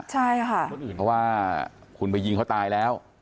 ใช่ค่ะคนอื่นเพราะว่าคุณไปยิงเขาตายแล้ว